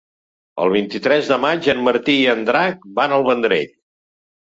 El vint-i-tres de maig en Martí i en Drac van al Vendrell.